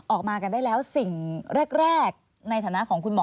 ออกมากันได้แล้วสิ่งแรกในฐานะของคุณหมอ